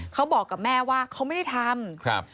เขาบอกกับแม่ว่าเขาไม่ได้ทำครับ